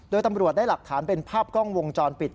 โดยตำรวจได้หลักฐานเป็นภาพกล้องวงจรปิด